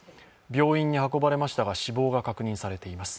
病院に運ばれましたが死亡が確認されています。